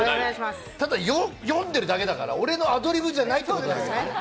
ただ、読んでるだけだから、俺のアドリブじゃないから。